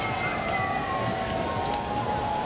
ถือว่าชีวิตที่ผ่านมายังมีความเสียหายแก่ตนและผู้อื่น